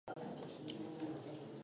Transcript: کعبه د لمانځه پر مهال قبله ټاکي.